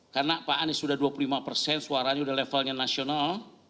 karena pak anies sudah dua puluh lima persen suaranya sudah levelnya nasional